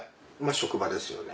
職場ですよね。